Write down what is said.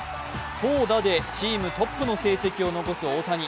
投打でチームトップの成績を残す大谷。